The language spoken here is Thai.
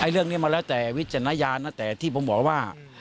เรื่องนี้มันแล้วแต่วิจารณญาณนะแต่ที่ผมบอกว่า